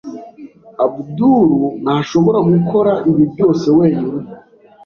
Abdul ntashobora gukora ibi byose wenyine.